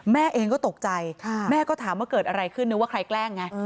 แม่เองก็ตกใจแม่ก็ถามว่าเกิดอะไรขึ้นนึกว่าใครแกล้งไง